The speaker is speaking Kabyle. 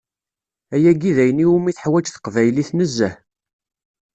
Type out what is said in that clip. Ayagi d ayen iwumi teḥwaǧ teqbaylit nezzeh.